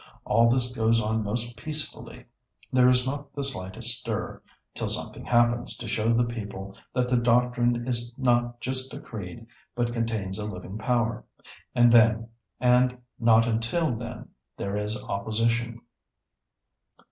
All this goes on most peacefully; there is not the slightest stir, till something happens to show the people that the doctrine is not just a creed, but contains a living Power. And then, and not until then, there is opposition.